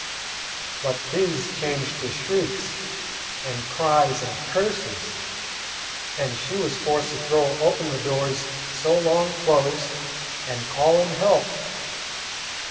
But these changed to shrieks and cries and curses, and she was forced to throw open the doors so long closed and call in help.